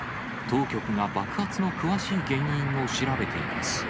当局が爆発の詳しい原因を調べています。